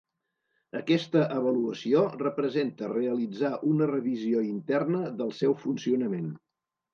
Aquesta avaluació representa realitzar una revisió interna del seu funcionament.